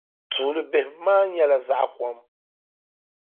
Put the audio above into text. Tuuli bihim maa nyɛla zaɣ' kɔm.